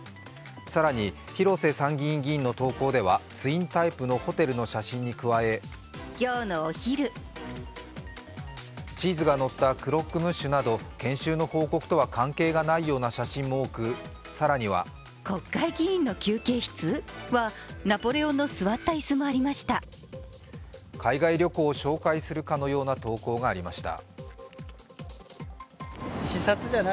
更に、広瀬参議院議員の投稿ではツインタイプのホテルの写真に加えチーズがのったクロックムッシュなど研修の報告とは関係がないような写真も多く、更には海外旅行を紹介するかのような投稿がありました。